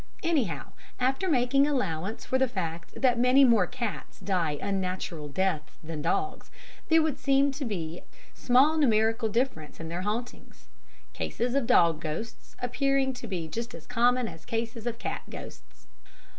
Anyhow, after making allowance for the fact that many more cats die unnatural deaths than dogs, there would seem to be small numerical difference in their hauntings cases of dog ghosts appearing to be just as common as cases of cat ghosts.